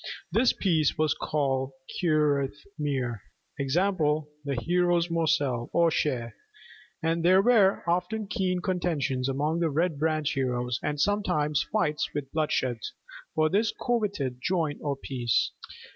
This piece was called curath mir, i.e., 'the hero's morsel or share'; and there were often keen contentions among the Red Branch heroes, and sometimes fights with bloodshed, for this coveted joint or piece.